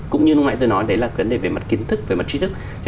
cũng như hôm nãy tôi nói đấy là vấn đề về mặt kiến thức về mặt trí thức